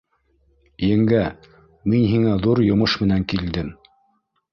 — Еңгә, мин һиңә ҙур йомош менән килдем.